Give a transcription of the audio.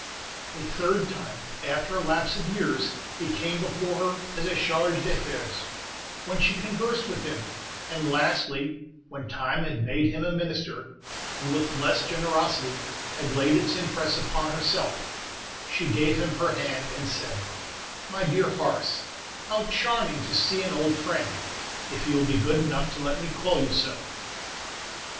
A third time, after a lapse of years, he came before her as a Chargé d'Affaires, when she conversed with him; and lastly, when time had made him a Minister, and with less generosity had laid its impress upon herself, she gave him her hand, and said, "My dear Horace, how charming to see an old friend, if you will be good enough to let me call you so."